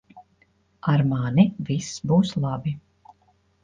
Ar mani viss būs labi.